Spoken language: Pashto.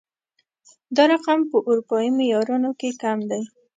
دا رقم په اروپايي معيارونو کې کم دی